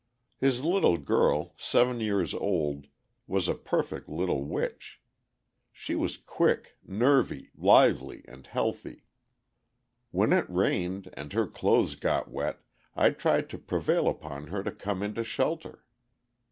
His little girl, seven years old, was a perfect little witch. She was quick, nervy, lively, and healthy. When it rained and her clothes got wet I tried to prevail upon her to come into shelter.